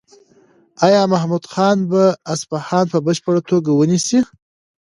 ایا محمود خان به اصفهان په بشپړه توګه ونیسي؟